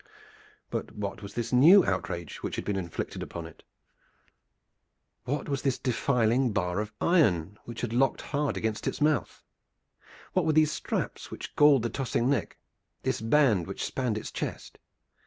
But what was this new outrage which had been inflicted upon it? What was this defiling bar of iron which was locked hard against its mouth? What were these straps which galled the tossing neck, this band which spanned its chest?